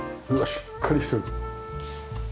しっかりしてる。